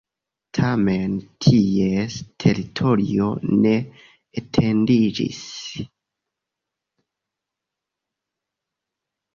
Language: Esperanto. Tamen ties teritorio ne etendiĝis.